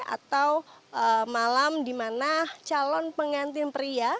atau malam di mana calon pengantin pria